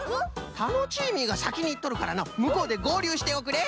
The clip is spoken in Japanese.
タノチーミーがさきにいっとるからのうむこうでごうりゅうしておくれ。